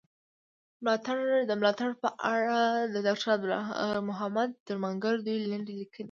د ملاتړ په اړه د ډاکټر عبدالمحمد درمانګر دوې لنډي ليکني.